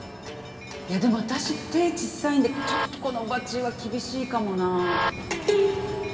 いやでも私手ちっさいんでちょっとこのバチは厳しいかもな。